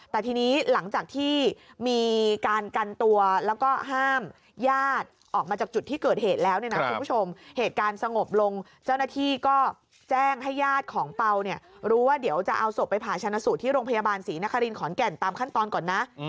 แต่ทีนี้หลังจากที่มีการกันตัวแล้วก็ห้ามญาติออกมาจากจุดที่เกิดเหตุแล้วเนี่ยนะคุณผู้ชมเหตุการณ์สงบลงเจ้าหน้าที่ก็แจ้งให้ญาติของเปล่าเนี่ยรู้ว่าเดี๋ยวจะเอาศพไปผ่าชนะสูตรที่โรงพยาบาลศรีนครินขอนแก่นตามขั้นตอนก่อนนะ